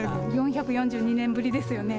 ４４２年ぶりですよね。